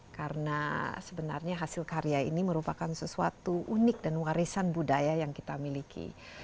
karena sebenarnya hasil karya ini merupakan sesuatu unik dan warisan budaya yang kita miliki